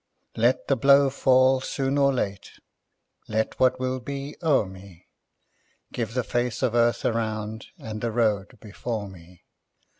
Let the blow fall soon or late, Let what will be o'er me; Give the face of earth around And the road before me.